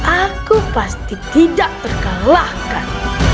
aku pasti tidak terkelahkan